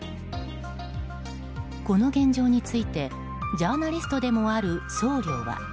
この現状についてジャーナリストでもある僧侶は。